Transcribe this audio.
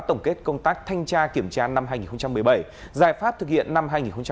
tổng kết công tác thanh tra kiểm tra năm hai nghìn một mươi bảy giải pháp thực hiện năm hai nghìn một mươi chín